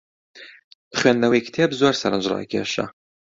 خوێندنەوەی کتێب زۆر سەرنجڕاکێشە.